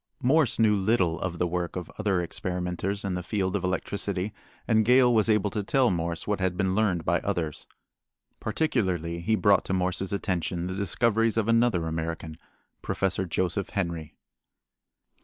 Morse knew little of the work of other experimenters in the field of electricity and Gale was able to tell Morse what had been learned by others. Particularly he brought to Morse's attention the discoveries of another American, Prof. Joseph Henry.